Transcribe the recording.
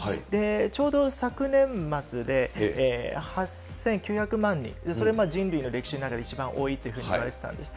ちょうど昨年末で８９００万人、それも人類の歴史の中で一番多いというふうにいわれてたんです。